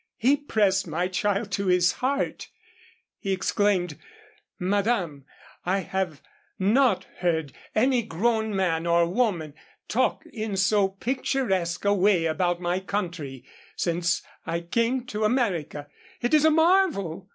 He pressed my child to his heart; he exclaimed, 'Madame, I have not heard any grown man or woman talk in so picturesque a way about my country, since I came to America. It is a marvel.